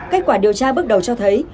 kết quả điều tra bước đầu trở lại